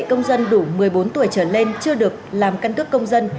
công dân đủ một mươi bốn tuổi trở lên chưa được làm căn cước công dân